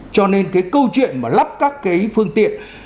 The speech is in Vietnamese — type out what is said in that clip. cho nên cái câu chuyện mà lắp các cái phương tiện